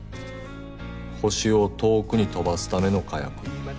星を遠くに飛ばすための火薬。